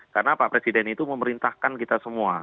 karena pak presiden itu memerintahkan kita semua